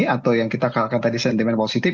atau yang kita katakan tadi sentimen positif